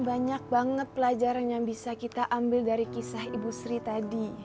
banyak banget pelajaran yang bisa kita ambil dari kisah ibu sri tadi